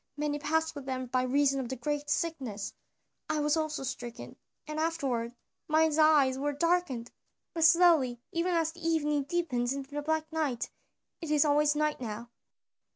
"Many passed with them by reason of a great sickness. I also was stricken, and afterward mine eyes were darkened, not suddenly, but slowly even as the evening deepens into the black night. It is always night now."